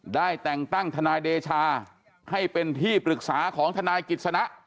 ได้แต่งตั้งทนายเดชาให้เป็นที่ปรึกษาของทนายกิจสนะ